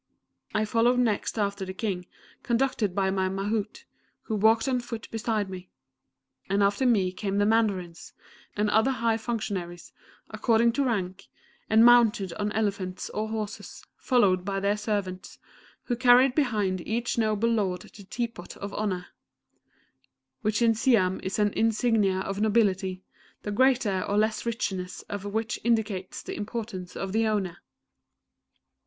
I followed next after the King, conducted by my Mahout, who walked on foot beside me. And after me came the Mandarins, Ministers, and other high functionaries, according to rank, and mounted on elephants or horses, followed by their servants, who carried behind each noble lord the Tea pot of Honour, which in Siam is an insignia of nobility, the greater or less richness of which indicates the importance of the owner.